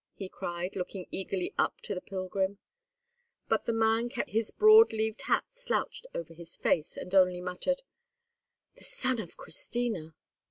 he cried, looking eagerly up to the pilgrim; but the man kept his broad leaved hat slouched over his face, and only muttered, "The son of Christina!"